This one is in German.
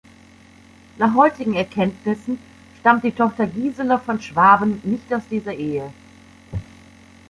Nach heutigen Erkenntnissen stammt die Tochter Gisela von Schwaben nicht aus dieser Ehe.